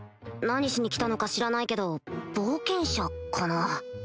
何しに来たのか知らないけど冒険者かな？